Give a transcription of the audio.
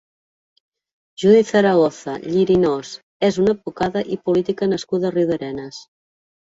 Judit Zaragoza Llirinós és una advocada i política nascuda a Riudarenes.